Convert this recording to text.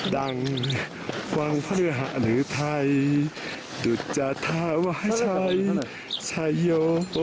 ดังวังพระเนื้อหะหรือไทยดุจจะทาวะชัยชัยโย